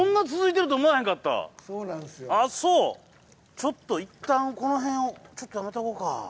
ちょっといったんこの辺をちょっとやめておこうか。